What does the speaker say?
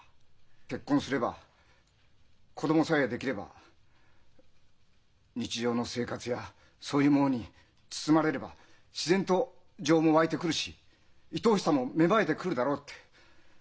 結婚すれば子供さえ出来れば日常の生活やそういうものに包まれれば自然と情も湧いてくるしいとおしさも芽生えてくるだろうって。